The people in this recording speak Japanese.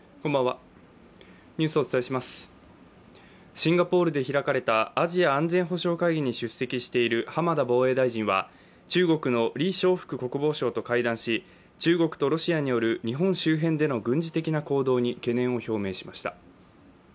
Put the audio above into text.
シンガポールで開かれたアジア安全保障会議に出席している浜田防衛大臣は、中国の李尚福国防相と会談し、中国とロシアによる日本周辺での軍事的な行動に懸念を表明しました。